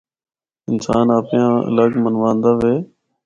انسان آپے آں الگ منواں دا وے۔